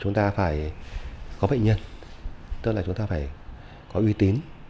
chúng ta phải có bệnh nhân tức là chúng ta phải có uy tín